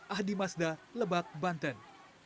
ahdi masda lebak banten